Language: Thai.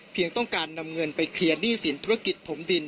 ต้องการนำเงินไปเคลียร์หนี้สินธุรกิจถมดิน